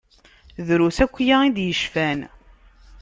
Drus akya i d-yecfan.